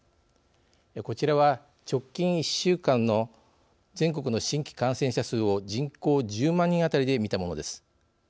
こちらは直近１週間の全国の新規感染者数を人口１０万人あたりで見たものです。